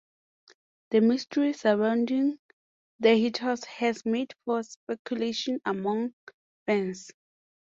The mystery surrounding the hiatus has made for speculation among fans.